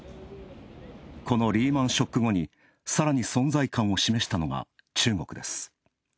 このリーマン・ショック後に、さらに存在感を示したのは中国です